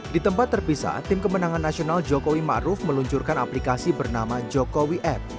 di tempat terpisah tim kemenangan nasional jokowi ma'ruf meluncurkan aplikasi bernama jokowi app